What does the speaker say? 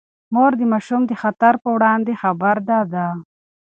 مور د ماشوم د خطر پر وړاندې خبرده ده.